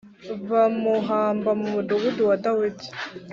bamuhamba mu mudugudu wa Dawidi.